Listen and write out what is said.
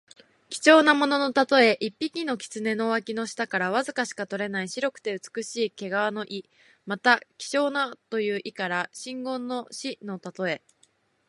貴重なもののたとえ。一匹の狐の脇の下からわずかしか取れない白くて美しい毛皮の意。また、希少なという意から直言の士のたとえ。